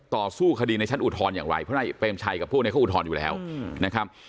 ต่อสู้คดีในชั้นอุทธรณ์อย่างไรเพราะนายเปรมชัยกับพวกนี้เขาอุทธรณ์อยู่แล้วนะครับ